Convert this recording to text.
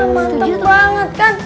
mantap banget kan